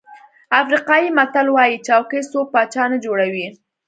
افریقایي متل وایي چوکۍ څوک پاچا نه جوړوي.